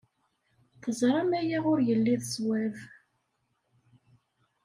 Teẓram aya ur yelli d ṣṣwab.